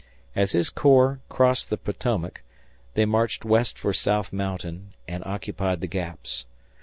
As his corps crossed the Potomac, they marched west for South Mountain and occupied the Gaps.